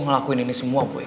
gw ngelakuin ini semua boi